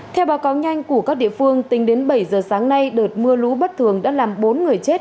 theo báo cáo nhanh của các địa phương tính đến bảy giờ sáng nay đợt mưa lũ bất thường đã làm bốn người chết